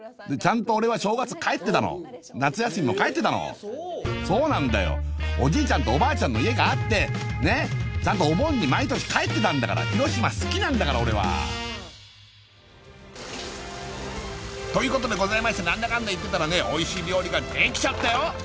でちゃんと俺は正月帰ってたの夏休みも帰ってたのそうなんだよおじいちゃんとおばあちゃんの家があってねちゃんとお盆に毎年帰ってたんだから広島好きなんだから俺はということでございまして何だかんだ言ってたらねおいしい料理ができちゃったよ！